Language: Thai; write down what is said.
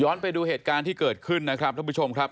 ไปดูเหตุการณ์ที่เกิดขึ้นนะครับท่านผู้ชมครับ